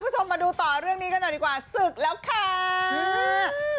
คุณผู้ชมมาดูต่อเรื่องนี้กันหน่อยดีกว่าศึกแล้วค่ะอ่า